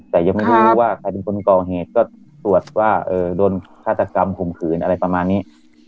แต่ยังไม่รู้ว่าใครเป็นคนก่อเหตุก็ตรวจว่าโดนฆาตกรรมข่มขืนอะไรประมาณนี้